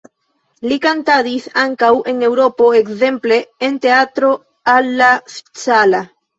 Li kantadis ankaŭ en Eŭropo, ekzemple en Teatro alla Scala.